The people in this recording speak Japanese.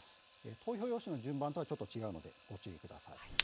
投票用紙の順番とは違うのでご注意ください。